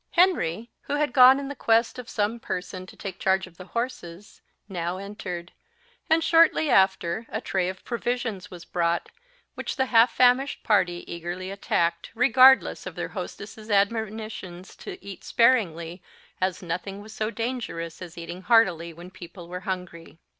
Henry, who had gone in quest of some person to take charge of the horses, now entered; and shortly after a tray of provisions was brought, which the half famished party eagerly attacked, regardless of their hostess's admonitions to eat sparingly, as nothing was so dangerous as eating heartily when people were hungry.